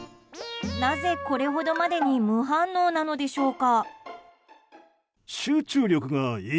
なぜ、これほどまでに無反応なのでしょうか。